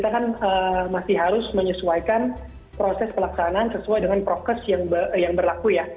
karena untuk saat ini setidaknya kita kan harus menyesuaikan proses pelaksanaan sesuai dengan progress yang berlaku ya